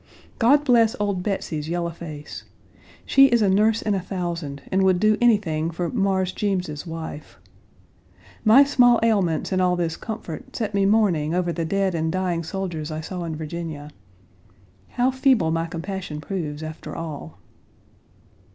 God bless old Betsey's yellow face! She is a nurse in a thousand, and would do anything for "Mars Jeems' wife." My small ailments in all this comfort set me mourning over the dead and dying soldiers I saw in Virginia. How feeble my compassion proves, after all.